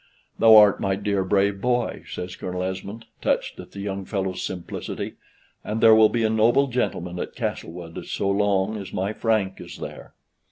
"Thou art my dear brave boy," says Colonel Esmond, touched at the young fellow's simplicity, "and there will be a noble gentleman at Castlewood so long as my Frank is there."